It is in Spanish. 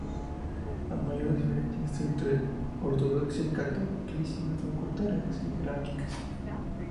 Las mayores diferencias entre ortodoxia y catolicismo son culturales y jerárquicas.